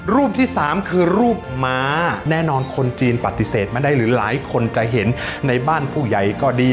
รูปที่สามคือรูปม้าแน่นอนคนจีนปฏิเสธไม่ได้หรือหลายคนจะเห็นในบ้านผู้ใหญ่ก็ดี